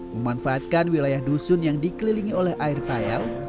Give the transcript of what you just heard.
memanfaatkan wilayah dusun yang dikelilingi oleh air payau